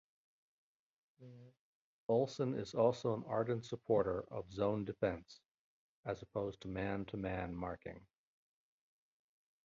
Olsen is also an ardent supporter of zone defense, as opposed to man-to-man marking.